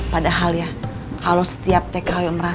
padahal ya kalo setiap tko yang dihargai